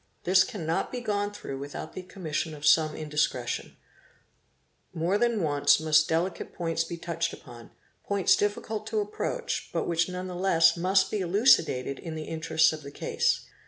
This cannot be gone through without the commission of some indiscretion ; more than once must delicate points be touched upon, points difficult to approach but which nevertheless must — be elucidated in the interests of the case.